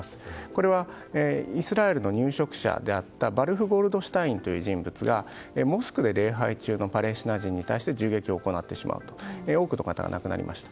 これはイスラエルの入植者であるバルフ・ゴールドシュテインという人物がモスクで礼拝中のパレスチナ人に対して銃撃を行ってしまい多くの方が亡くなりました。